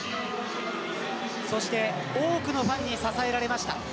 そして多くのファンに支えられました。